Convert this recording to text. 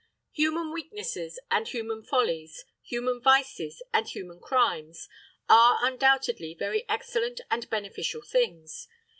Human weaknesses and human follies, human vices and human crimes, are undoubtedly very excellent and beneficial things.